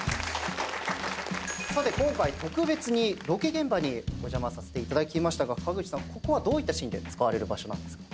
さて今回特別にロケ現場にお邪魔させていただきましたが川口さんここはどういったシーンで使われる場所なんですか？